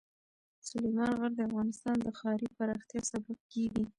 سلیمان غر د افغانستان د ښاري پراختیا سبب کېږي.